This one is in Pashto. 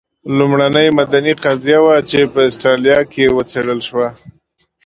لومړنۍ مدني قضیه وه چې په اسټرالیا کې وڅېړل شوه.